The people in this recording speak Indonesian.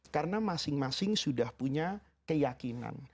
karena masing masing sudah punya keyakinan